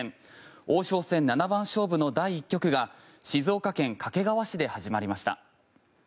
王将戦七番勝負の第１局が静岡県掛川市で始まりました。